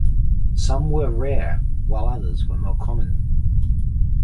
Some were rare, while others were more common.